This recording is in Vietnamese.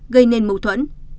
gây nên mâu thuẫn